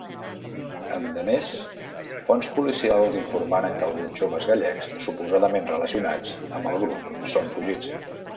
Endemés, fonts policials informaren que alguns joves gallecs suposadament relacionats amb el grup són fugits.